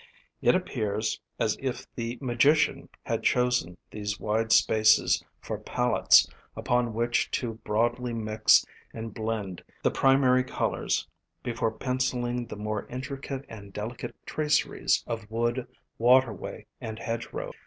It appears as if the Magician had chosen these wide spaces for palettes upon which to broadly mix and blend the pri mary colors before penciling the more intricate and delicate traceries of wood, waterway and hedgerow.